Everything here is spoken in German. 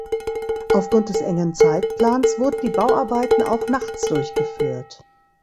Aufgrund des engen Zeitplans wurden die Bauarbeiten auch nachts durchgeführt.